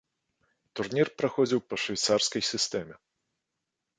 Турнір праходзіў па швейцарскай сістэме.